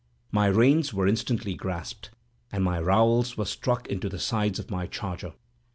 My reins were instantly grasped, and my rowels were struck into the sides of my charger.